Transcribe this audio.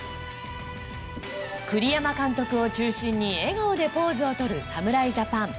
栗山監督を中心に笑顔でポーズをとる侍ジャパン。